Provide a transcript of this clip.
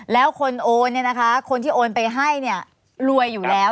แล้วคนโอนคนที่โอนไปให้รวยอยู่แล้ว